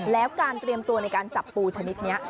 แล้วการเตรียมตัวในการจับปูชนิดนี้